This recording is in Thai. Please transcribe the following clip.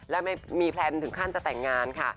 และไม่มีแพลนถึงขั้นจะแต่งงานค่ะ